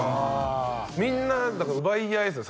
みんなだから奪い合いですよ